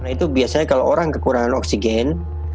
nah itu biasanya kalau orang kekurangan oksigen